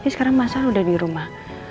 sekarang masal sudah di rumah